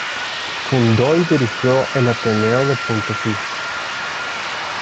Fundó y dirigió el Ateneo de Punto Fijo.